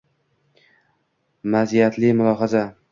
Мaziyatli mulohaza